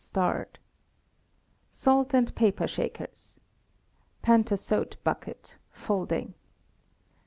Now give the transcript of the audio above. ''^ Salt and pepper shakers. Pantasote bucket, folding.